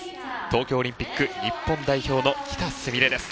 東京オリンピック日本代表の喜田純鈴です。